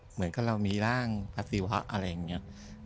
เหมือนกับเรามีร่างพระศิวะอะไรอย่างนี้